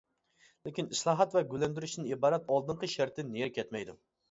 لېكىن ئىسلاھات ۋە گۈللەندۈرۈشتىن ئىبارەت ئالدىنقى شەرتتىن نېرى كەتمەيدۇ.